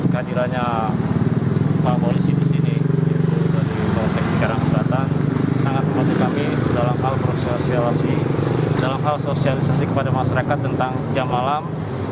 kandilannya polisi di sini di polsek cikarang selatan sangat mematuhi kami dalam hal sosialisasi kepada masyarakat tentang jam malam